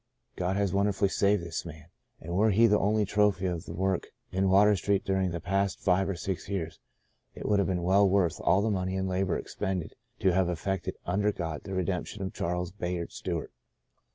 God has wonderfully saved this De Profundis 53 man ; and were he the only trophy of the work in Water Street during the past five or six years, it would have been well worth all the money and labour expended to have ef fected, under God, the redemption of Charles Bayard Stewart.